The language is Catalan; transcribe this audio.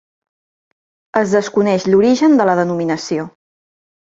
Es desconeix l'origen de la denominació.